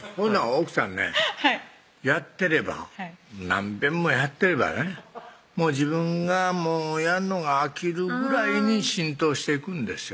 奥さんねはいやってれば何遍もやってればね自分がもうやんのが飽きるぐらいに浸透していくんですよ